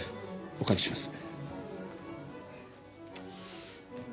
お借りします。